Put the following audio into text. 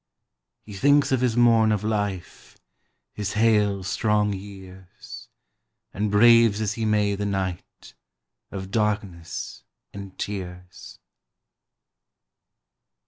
He thinks of his morn of life, His hale, strong years; And braves as he may the night Of darkness and tears.